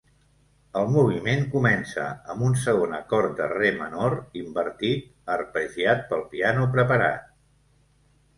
El moviment comença amb un segon acord de re menor invertit, arpegiat pel piano preparat.